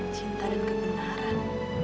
cinta dan kebenaran